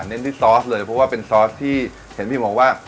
ที่ซอสเลยเพราะว่าเป็นซอสที่เห็นพี่มองว่า